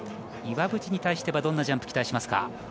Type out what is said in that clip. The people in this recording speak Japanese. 岩渕に対してはどんなジャンプ期待しますか？